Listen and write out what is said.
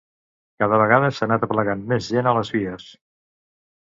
Cada vegada s’ha anat aplegant més gent a les vies.